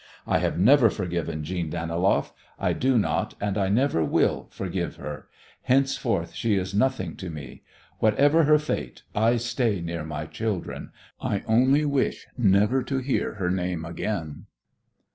I have never forgiven Jeanne Daniloff. I do not, and I never will, forgive her. Henceforth she is nothing to me. Whatever her fate, I stay near my children. I only wish never to hear her name again."